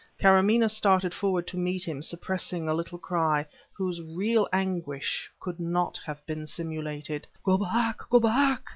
Karamaneh started forward to meet him, suppressing a little cry, whose real anguish could not have been simulated. "Go back! go back!"